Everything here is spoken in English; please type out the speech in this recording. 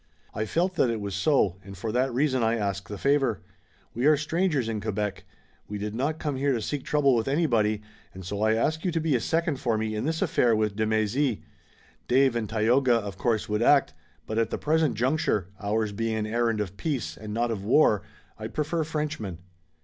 "I felt that it was so, and for that reason I ask the favor. We are strangers in Quebec. We did not come here to seek trouble with anybody, and so I ask you to be a second for me in this affair with de Mézy. Dave and Tayoga, of course, would act, but at the present juncture, ours being an errand of peace and not of war, I'd prefer Frenchmen."